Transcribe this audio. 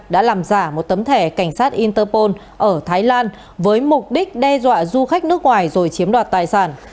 đã làm giả một tấm thẻ cảnh sát interpol ở thái lan với mục đích đe dọa du khách nước ngoài rồi chiếm đoạt tài sản